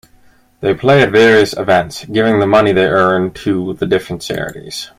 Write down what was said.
They play at various events, giving the money they earn to the different charities.